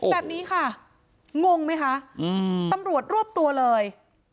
แบบนี้ค่ะงงไหมคะตำรวจรวบตัวเลย